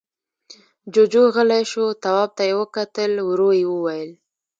جُوجُو غلی شو، تواب ته يې وکتل، ورو يې وويل: